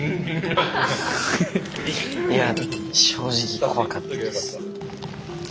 いや正直怖かったです。